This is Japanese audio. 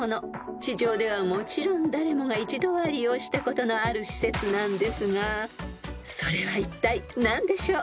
［地上ではもちろん誰もが一度は利用したことのある施設なんですがそれはいったい何でしょう］